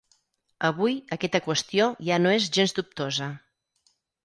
Avui aquesta qüestió ja no és gens dubtosa.